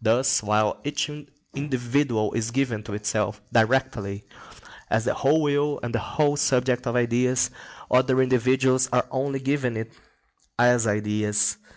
Thus, while each individual is given to itself directly as the whole will and the whole subject of ideas, other individuals are only given it as ideas.